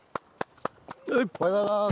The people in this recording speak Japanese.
おはようございます。